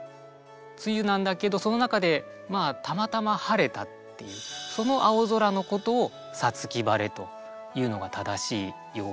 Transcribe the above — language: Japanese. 梅雨なんだけどその中でまあたまたま晴れたっていうその青空のことを五月晴れというのが正しい用法で。